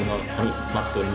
はい。